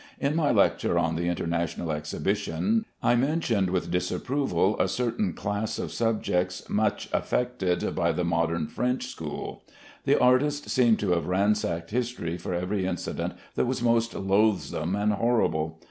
In my lecture on the International Exhibition, I mentioned with disapproval a certain class of subjects much affected by the modern French school. The artists seem to have ransacked history for every incident that was most loathsome and horrible.